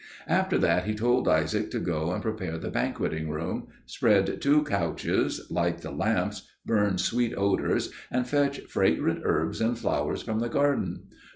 After that he told Isaac to go and prepare the banqueting room, spread two couches, light the lamps, burn sweet odours, and fetch fragrant herbs and flowers from the garden.